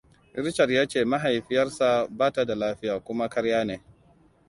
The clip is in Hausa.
Richard ya ce mahaifiyarsa ba ta da lafiya, kuma karya ne.